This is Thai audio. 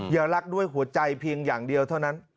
รักด้วยหัวใจเพียงอย่างเดียวเท่านั้น